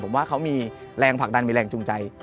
ผมว่าเขามีแรงผลักดันมีแรงจูงใจ